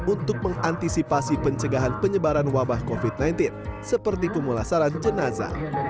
untuk mengantisipasi pencegahan penyebaran wabah covid sembilan belas seperti pemulasaran jenazah